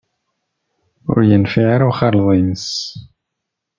Ur yenfiɛ ara uxaleḍ-nnes.